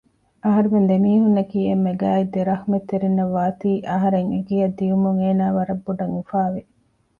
އަހަރެމެން ދެމީހުންނަކީ އެންމެ ގާތް ދެ ރަޙުމަތްތެރިންނަށް ވާތީ އަހަރެން އެގެއަށް ދިޔުމުން އޭނާ ވަރަށް ބޮޑަށް އުފާވި